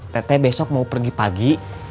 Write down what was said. tete besok mau pergi pagi